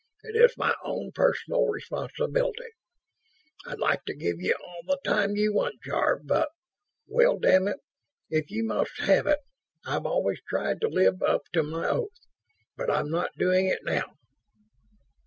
It is my own personal responsibility. I'd like to give you all the time you want, Jarve, but ... well, damn it ... if you must have it, I've always tried to live up to my oath, but I'm not doing it now."